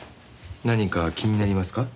何か気になりますか？